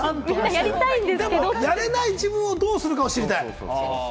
やれない自分をどうするかを知りたい。